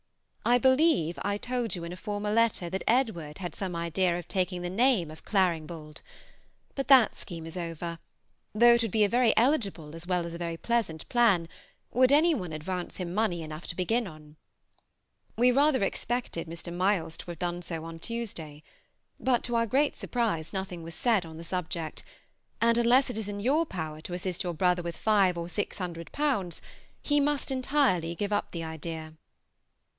I believe I told you in a former letter that Edward had some idea of taking the name of Claringbould; but that scheme is over, though it would be a very eligible as well as a very pleasant plan, would any one advance him money enough to begin on. We rather expected Mr. Milles to have done so on Tuesday; but to our great surprise nothing was said on the subject, and unless it is in your power to assist your brother with five or six hundred pounds, he must entirely give up the idea.